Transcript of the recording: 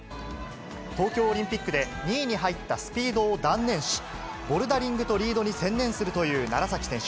東京オリンピックで２位に入ったスピードを断念し、ボルダリングとリードに専念するという楢崎選手。